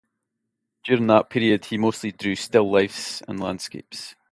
During that period, he mostly drew still lifes and landscapes.